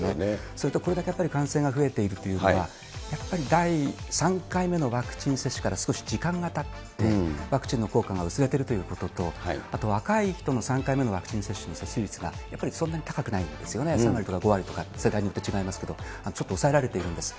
それとこれだけやっぱり感染が増えているというのは、やっぱり第３回目のワクチン接種から少し時間がたって、ワクチンの効果が薄れているということと、あと若い人の３回目のワクチン接種の接種率が、やっぱりそんなに高くないんですよね、３割とか５割とか、世代によって違いますけれども、ちょっと抑えられているんです。